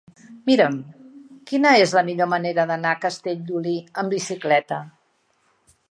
Mira'm quina és la millor manera d'anar a Castellolí amb bicicleta.